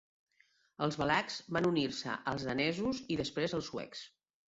Els valacs van unir-se als danesos i després als suecs.